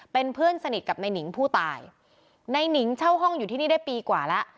เป็นเพื่อนสนิทกับนายหนิงผู้ตายในหนิงเช่าห้องอยู่ที่นี่ได้ปีกว่าแล้ว